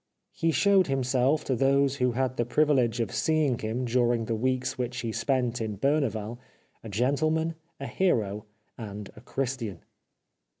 He showed himself to those who had the privilege of seeing him during the weeks which he spent in Berneval a gentleman, a hero, and a Christian.